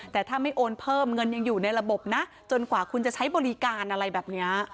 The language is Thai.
แต่ถ้าไม่โอนเพิ่มเงินยังอยู่ในระบบนะจนกว่าคุณจะใช้บริการอะไรแบบนี้